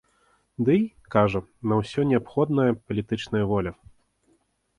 Дый, кажа, на ўсё неабходная палітычная воля.